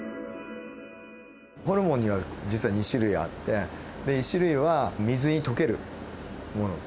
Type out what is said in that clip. ホルモンには実は２種類あって一種類は水に溶けるもの